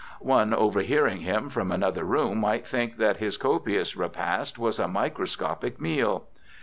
One overhearing him from another room might think that his copious repast was a microscopic meal.